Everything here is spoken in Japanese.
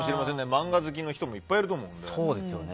漫画好きの人もいっぱいいると思うので。